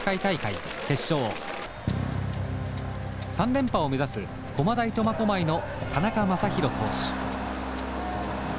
３連覇を目指す駒大苫小牧の田中将大投手。